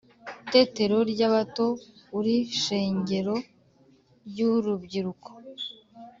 tetero ry' abato uri shengero ry' urubyiruko,